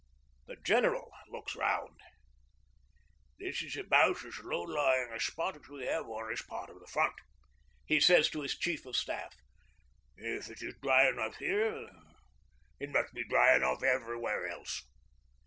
The General looks round. 'This is about as low lying a spot as we have on this part of front,' he says to his Chief of Staff. 'If it is dry enough here it must be dry enough everywhere else.'